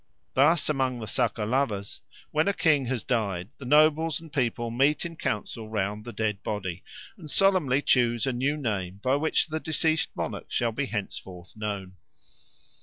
Thus among the Sakalavas, when a king has died, the nobles and people meet in council round the dead body and solemnly choose a new name by which the deceased monarch shall be henceforth known.